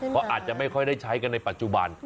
เขาอาจจะไม่ค่อยได้ใช้กันในปัจจุบัน